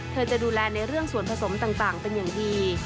จะดูแลในเรื่องส่วนผสมต่างเป็นอย่างดี